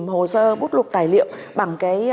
hồ sơ bút lục tài liệu bằng cái